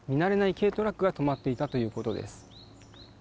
軽トラックが止まっていたということです。